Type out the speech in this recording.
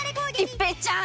一平ちゃーん！